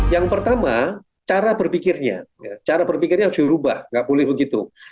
yang pertama cara berpikirnya harus dirubah gak boleh begitu